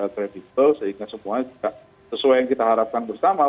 kredibel sehingga semuanya juga sesuai yang kita harapkan bersama